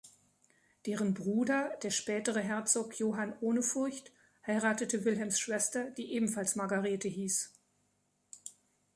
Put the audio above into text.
Deren Bruder, der spätere Herzog Johann Ohnefurcht, heiratete Wilhelms Schwester, die ebenfalls Margarete hieß.